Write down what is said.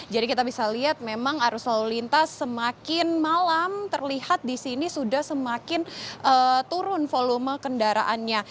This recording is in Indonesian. jadi kita bisa lihat memang arus selalu lintas semakin malam terlihat disini sudah semakin turun volume kendaraannya